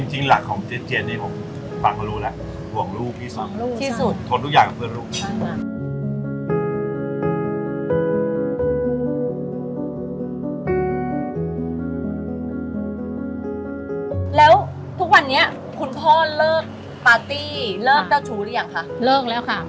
จริงหลักของเจ็ดนี้ผมฟังเขารู้แล้วห่วงลูกพี่สองพอทุกอย่างเป็นเพื่อนลูก